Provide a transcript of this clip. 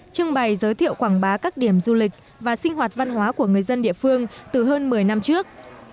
trưng bày giới thiệu quảng bá các điểm du lịch và sinh hoạt văn hóa của người dân địa phương từ hơn một mươi năm trước